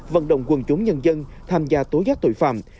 vận động quân chúng nhân dân tham gia tố giác tội phạm